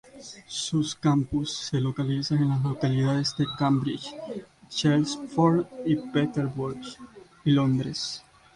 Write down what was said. Sus campus se localizan en las localidades de Cambridge, Chelmsford y Peterborough y Londres.